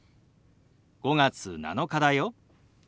「５月７日だよ」。